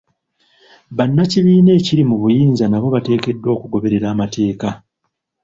Bannakibiina ekiri mu buyinza nabo bateekeddwa okugoberera amateeka.